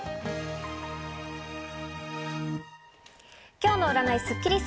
今日の占いスッキリす。